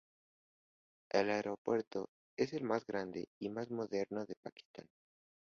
El aeropuerto es el más grande y más moderno de Pakistán.